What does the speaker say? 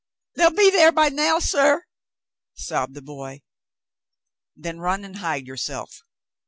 '*" "They'll be thar by now, suh," sobbed the boy. "Then run and hide yourself.